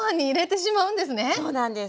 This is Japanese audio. そうなんです。